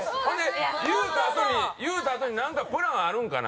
言うたあとにプランあるんかな？